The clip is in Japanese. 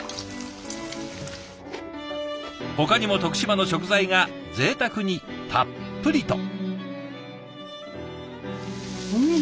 ほかにも徳島の食材がぜいたくにたっぷりと。